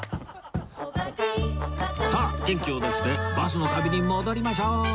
さあ元気を出してバスの旅に戻りましょう